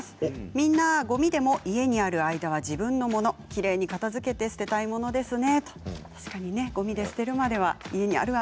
みんなごみでも家にある間は自分のもの、きれいに片づけて捨てたいものですね。